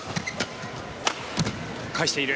返している。